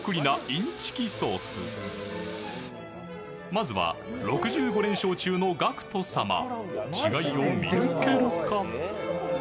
まずは６５連勝中のＧＡＣＫＴ様違いを見抜けるか？